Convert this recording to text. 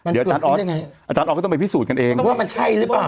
เดี๋ยวอาจารย์ออสอาจารย์ออสก็ต้องไปพิสูจน์กันเองว่ามันใช่หรือเปล่า